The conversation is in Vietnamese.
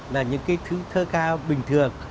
là những cái thứ thơ ca bình thường